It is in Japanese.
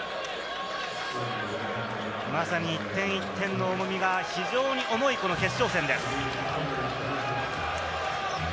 まさに１点１点の重みが非常に重い決勝戦です。